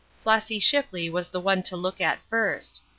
Flossy Shipley was the one to look at first.